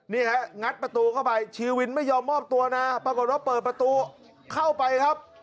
นี่ฮะงัดประตูเข้าไปชีวินไม่ยอมมอบตัวนะปรากฏว่าเปิดประตูเข้าไปครับ